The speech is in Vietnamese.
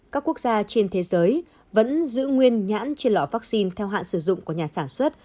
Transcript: các quốc gia trên thế giới vẫn giữ nguyên nhãn trên lọ vaccine theo hạn sử dụng của nhà sản xuất